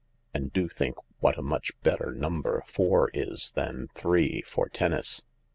And do think what a much better number four is than three for tennis."